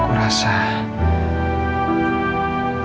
aku harus bicara sekarang